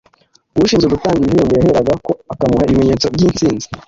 ushinzwe gutanga ibihembo yaheraga ko akamuha ibimenyetso by’insinzi